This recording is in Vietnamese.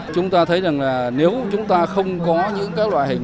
chúng ta thấy rằng là nếu chúng ta không có những cái loại hình